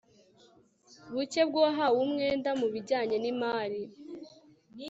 buke bw uwahawe umwenda mu bijyanye n imari